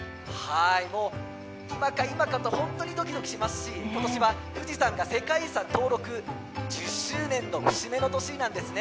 今か今かと本当にドキドキしますし、今年は富士山が世界遺産登録１０周年の節目の年なんですね。